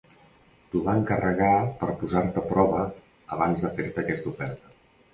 T'ho va encarregar per posar-te a prova abans de fer-te aquesta oferta.